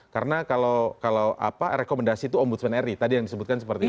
karena kalau apa rekomendasi itu om busman ri tadi yang disebutkan seperti itu